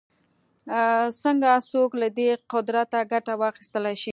څنګه څوک له دې قدرته ګټه واخیستلای شي